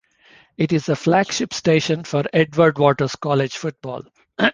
It is the flagship station for Edward Waters College football.